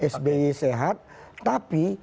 sba sehat tapi